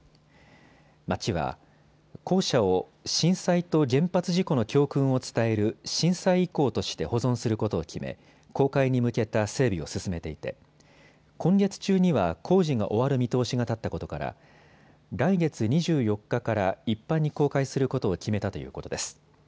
町は校舎を震災と原発事故の教訓を伝える震災遺構として保存することを決め公開に向けた整備を進めていて今月中には工事が終わる見通しが立ったことから来月２４日から一般に公開することを決めたということです。